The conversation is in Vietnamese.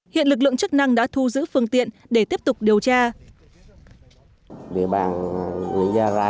hiện lực lượng chức năng đã thu giữ phương tiện để tiếp tục điều tra